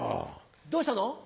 どうしたの？